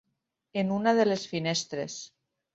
En una de les finestres.